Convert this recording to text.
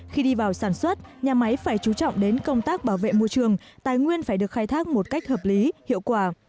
khi đi vào sản xuất nhà máy phải chú trọng đến công tác bảo vệ môi trường tài nguyên phải được khai thác một cách hợp lý hiệu quả